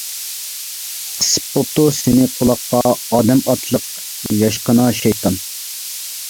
قىسىپ بوپتۇ سېنى قۇلاققا، ئادەم ئاتلىق ياشقىنا شەيتان.